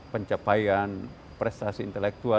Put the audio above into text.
pencapaian prestasi intelektual